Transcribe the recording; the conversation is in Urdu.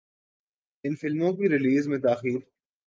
ان فلموں کی ریلیز میں تاخیر